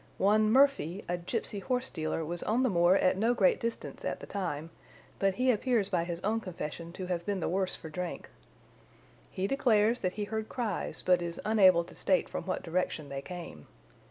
One Murphy, a gipsy horse dealer, was on the moor at no great distance at the time, but he appears by his own confession to have been the worse for drink. He declares that he heard cries but is unable to state from what direction they came.